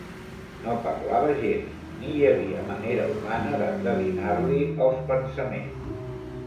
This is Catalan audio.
No parlava gens ni hi havia manera humana d'endevinar-li els pensaments.